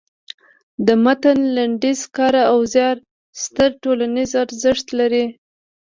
د متن لنډیز کار او زیار ستر ټولنیز ارزښت لري.